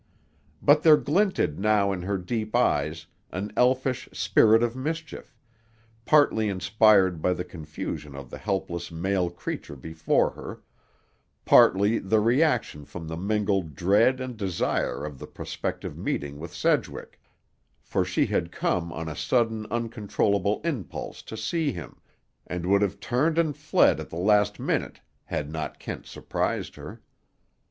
But there glinted now in her deep eyes an elfish spirit of mischief, partly inspired by the confusion of the helpless male creature before her, partly the reaction from the mingled dread and desire of the prospective meeting with Sedgwick; for she had come on a sudden uncontrollable impulse to see him, and would have turned and fled at the last minute had not Kent surprised her.